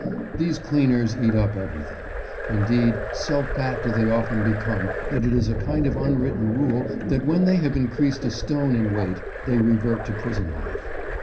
These cleaners eat up everything; indeed, so fat do they often become that it is a kind of unwritten rule that when they have increased a stone in weight they revert to prison life.